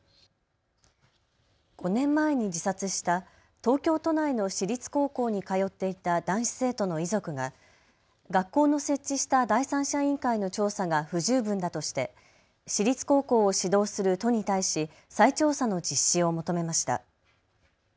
５年前に自殺した東京都内の私立高校に通っていた男子生徒の遺族が学校の設置した第三者委員会の調査が不十分だとして私立高校を指導する都に対し再調査の実施を求めました。